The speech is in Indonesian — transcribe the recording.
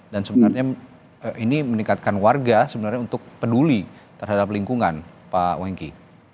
dan sebenarnya ini meningkatkan warga sebenarnya untuk peduli terhadap lingkungan pak wanky